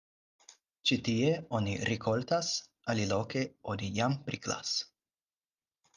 Ĉi tie oni rikoltas, aliloke oni jam priklas.